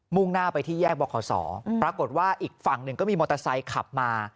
่งหน้าไปที่แยกบขศปรากฏว่าอีกฝั่งหนึ่งก็มีมอเตอร์ไซค์ขับมา